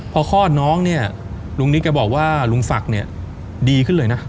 พอคลอดน้องเนี่ยลุงนิดก็บอกว่าลุงศักดิ์เนี่ยดีขึ้นเลยนะ